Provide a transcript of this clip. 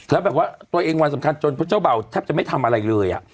แล้วแบบว่าตัวเองวันสำคัญจนเพราะเจ้าเบาแทบจะไม่ทำอะไรเลย